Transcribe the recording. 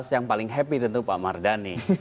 yang paling happy tentu pak mardhani